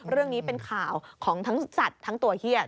เรื่องนี้เป็นข่าวของทั้งสัตว์ทั้งตัวเฮียด